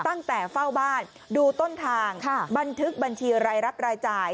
ตั้งแต่เฝ้าบ้านดูต้นทางบันทึกบัญชีรายรับรายจ่าย